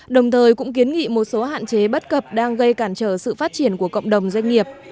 đồng thời cũng kiến nghị một số hạn chế bất cập đang gây cản trở sự phát triển của cộng đồng doanh nghiệp